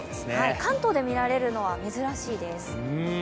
関東で見られるのは珍しいです。